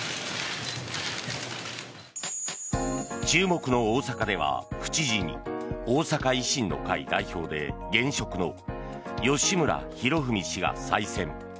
注目の大阪では、府知事に大阪維新の会代表で現職の吉村洋文氏が再選。